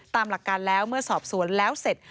ตามหลักการแล้วเมื่อสอบสวนแล้วเสร็จ